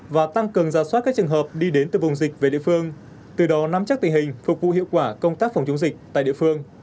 và tăng cường giả soát các trường hợp đi đến từ vùng dịch về địa phương từ đó nắm chắc tình hình phục vụ hiệu quả công tác phòng chống dịch tại địa phương